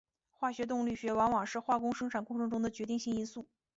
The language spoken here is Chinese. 化学动力学往往是化工生产过程中的决定性因素。